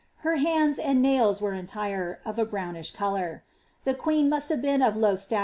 Her hands and nsila were ealire, of a browniah colour. The ijiieen must have been of low buIuh!